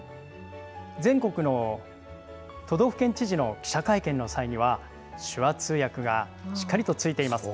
全国の都道府県知事の記者会見の際には、手話通訳がしっかりとついています。